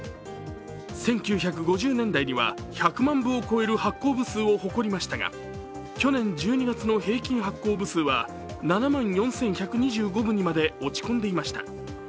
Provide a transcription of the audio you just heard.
１９５０年代には１００万部を超える発行部数を誇りましたが去年１２月の平均発行部数は、７万４１２５部にまで落ち込んでいました。